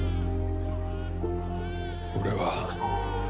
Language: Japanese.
俺は。